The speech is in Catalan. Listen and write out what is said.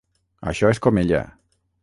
Això és com ella.